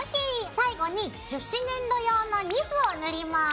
最後に樹脂粘土用のニスを塗ります。